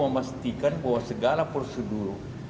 memastikan bahwa segala prosedur